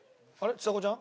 ちさ子ちゃん？